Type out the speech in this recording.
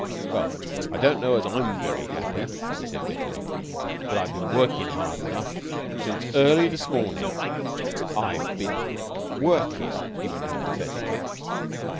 Well, I don't know as I'm very happy," he said, bitterly, "but I've been workin' hard enough since early this mornin'. I've been workin'," he went on pathetically.